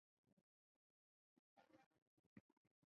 后他与同族朱仰山等迁往天津。